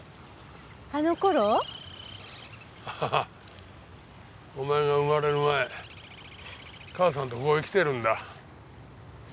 ハハッお前が生まれる前母さんとここへ来てるんだ。